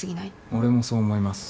俺もそう思います。